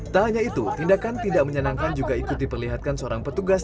tak hanya itu tindakan tidak menyenangkan juga ikut diperlihatkan seorang petugas